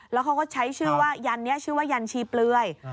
แล้วเขาก็ใช้ชื่อว่ายันนี้ชื่อว่ายันชีเปลือย